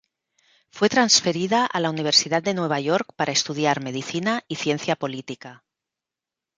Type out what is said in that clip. Fue transferida a la Universidad de Nueva York para estudiar medicina y ciencia política.